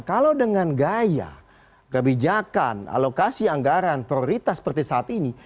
kalau dengan gaya kebijakan alokasi anggaran prioritas seperti saat ini